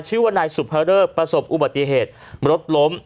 ชื่อว่านายสุภเริกประสบอุบัติเหตุรถล้ม